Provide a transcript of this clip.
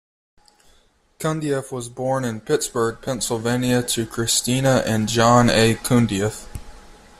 Cundieff was born in Pittsburgh, Pennsylvania to Christina and John A. Cundieff.